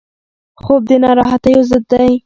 خوب د ناراحتیو ضد دی